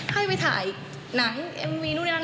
ให้ไปทายนังอธิบาย